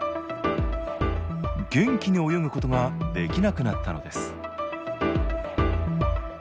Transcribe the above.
元気に泳ぐことができなくなったのです